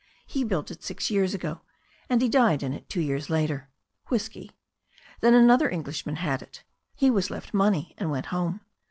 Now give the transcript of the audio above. He built it six years ago, and he died in it two years later — whisky. Then another Englishman had it. He was left money and went Home.